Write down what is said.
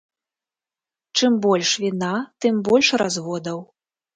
Чым больш віна, тым больш разводаў.